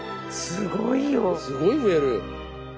すごい増える。